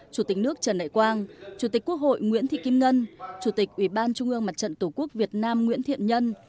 chủ tịch nước trần đại quang chủ tịch quốc hội nguyễn thị kim ngân chủ tịch ủy ban trung ương mặt trận tổ quốc việt nam nguyễn thiện nhân